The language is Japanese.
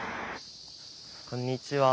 こんにちは。